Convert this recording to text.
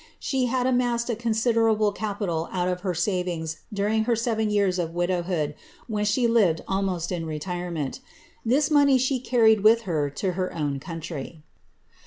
* She had amassed a considerable pital out of her savings during her seven years of widowhood, when e lived almost in retirement This money she carried with her to her m country.